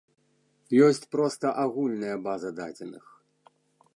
Ёсць проста агульная база дадзеных.